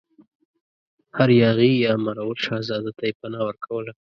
هر یاغي یا مرور شهزاده ته یې پناه ورکوله.